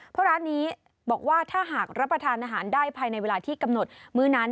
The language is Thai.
เพราะร้านนี้บอกว่าถ้าหากรับประทานอาหารได้ภายในเวลาที่กำหนดมื้อนั้น